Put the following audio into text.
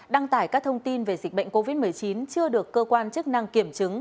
đăng tải các thông tin về dịch bệnh covid một mươi chín chưa được cơ quan chức năng kiểm chứng